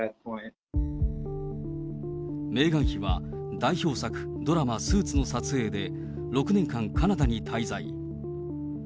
メーガン妃は代表作、ドラマ、スーツの撮影で、６年間カナダに滞在。